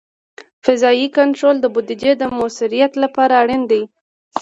قضایي کنټرول د بودیجې د مؤثریت لپاره دی.